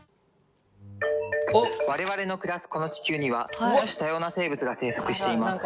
我々の暮らすこの地球には多種多様な生物が生息しています。